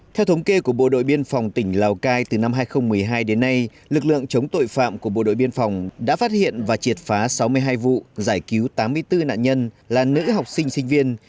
theo thống kê của bộ đội biên phòng tỉnh lào cai từ năm hai nghìn một mươi hai đến nay lực lượng chống tội phạm của bộ đội biên phòng đã phát hiện và triệt phá sáu mươi hai vụ giải cứu tám mươi bốn nạn nhân là nữ học sinh sinh viên